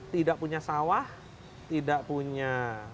tidak punya sawah tidak punya